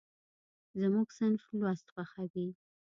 زموږ صنف لوست خوښوي.